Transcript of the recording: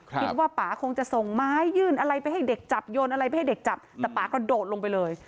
ป่าคงจะส่งไม้ยื่นอะไรไปให้เด็กจับโยนอะไรไม่ให้เด็กจับแต่ป่ากระโดดลงไปเลย